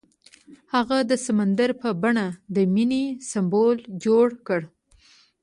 هغه د سمندر په بڼه د مینې سمبول جوړ کړ.